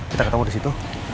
kita ketemu disitu